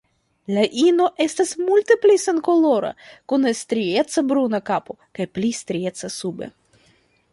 La ino estas multe pli senkolora, kun strieca bruna kapo kaj pli strieca sube.